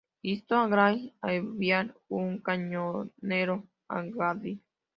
Instó a Gray a enviar un cañonero a Agadir.